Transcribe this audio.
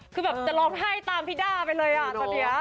คือแบบจะร้องไห้ตามพี่ด้าไปเลยจริง